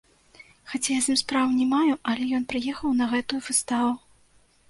Хаця я з ім спраў не маю, але ён прыехаў на гэтую выставу.